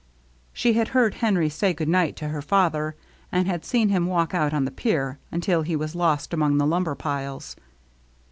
She had heard Henry say good night to her father, and had seen him walk out on the pier until he was lost among the lumber piles.